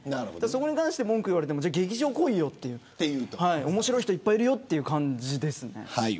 そこに対して文句言われても劇場来いよ面白い人いっぱいいるよという感じです。